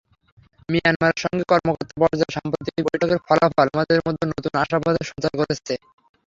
মিয়ানমারের সঙ্গে কর্মকর্তা পর্যায়ে সাম্প্রতিক বৈঠকের ফলাফল আমাদের মধ্যে নতুন আশাবাদের সঞ্চার করেছে।